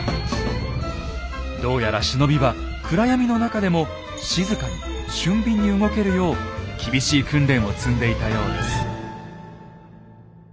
どうやら忍びは暗闇の中でも静かに俊敏に動けるよう厳しい訓練を積んでいたようです。